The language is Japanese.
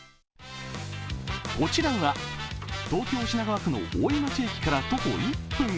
こちらは東京・品川区の大井町駅から徒歩１分。